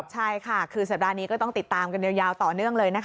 ใช่ค่ะคือสัปดาห์นี้ก็ต้องติดตามกันยาวต่อเนื่องเลยนะคะ